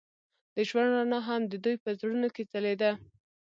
د ژوند رڼا هم د دوی په زړونو کې ځلېده.